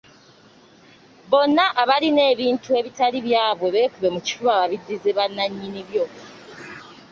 Bonna abalina ebintu ebitali byabwe beekube mu kifuba babiddize bannannyini byo.